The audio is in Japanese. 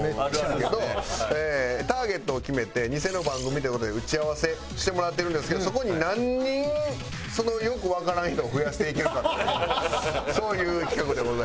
ターゲットを決めてニセの番組という事で打ち合わせしてもらってるんですけどそこに何人そのよくわからん人を増やしていけるかというそういう企画でございます。